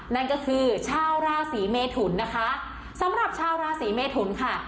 นั่นก็คือชาวราศีเมทุนนะคะสำหรับชาวราศีเมทุนค่ะ